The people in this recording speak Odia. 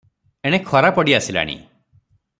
ଏଣେ ଖରା ପଡ଼ି ଆସିଲାଣି ।